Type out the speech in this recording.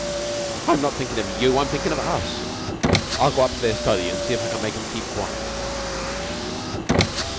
"I'm not thinking of you. I'm thinking of us. I'll go up to their study and see if I can make 'em keep quiet!"